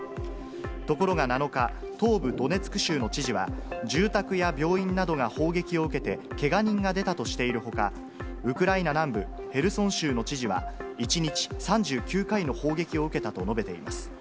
ところが７日、東部ドネツク州の知事は、住宅や病院などが砲撃を受けてけが人が出たとしているほか、ウクライナ南部、ヘルソン州の知事は、１日３９回の砲撃を受けたと述べています。